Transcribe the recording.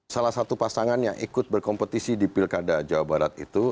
salah satu pasangan yang ikut berkompetisi di pilkada jawa barat itu